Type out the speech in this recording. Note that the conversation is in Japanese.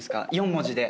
４文字で。